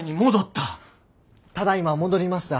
ただいま戻りました。